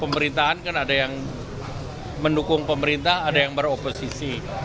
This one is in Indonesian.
pemerintahan kan ada yang mendukung pemerintah ada yang beroposisi